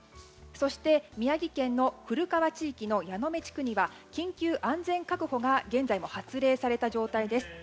そして、宮城県の古川地域の矢目地区には緊急安全確保が現在も発令された状態です。